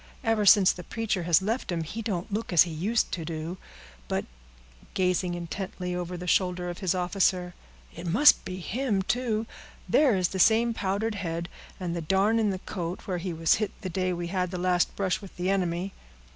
Ever since the preacher has left him, he don't look as he used to do—but," gazing intently over the shoulder of his officer, "it must be him, too! There is the same powdered head, and the darn in the coat, where he was hit the day we had the last brush with the enemy."